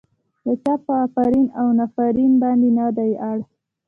د چا په افرین او نفرين باندې نه دی اړ.